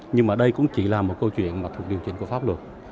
nhưng mà đây cũng chỉ là một câu chuyện mà thuộc điều chỉnh của pháp luật